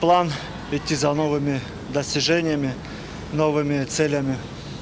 plan selanjutnya adalah mencari pencapaian baru mencari tujuan baru